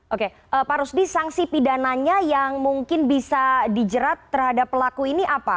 oke pak rusdi sanksi pidananya yang mungkin bisa dijerat terhadap pelaku ini apa